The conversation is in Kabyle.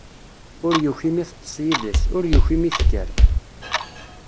Ur yuki mi teṭṭeṣ yid-s, ur yuki mi tekker.